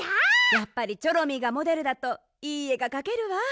やっぱりチョロミーがモデルだといいえがかけるわ。